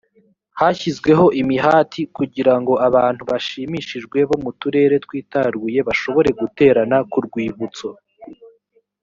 hashyizweho imihati kugira ngo abantu bashimishijwe bo mu turere twitaruye bashobore guterana ku rwibutso